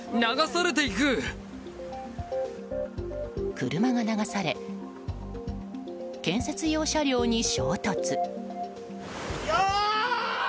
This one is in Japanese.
車が流され、建設用車両に衝突。